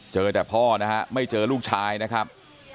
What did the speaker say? เจอแต่พ่อนะฮะไม่เจอลูกชายนะครับ